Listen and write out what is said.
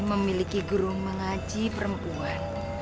memiliki guru mengaji perempuan